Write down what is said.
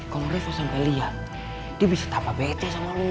kalo reva sampe liat dia bisa tampak bete sama lo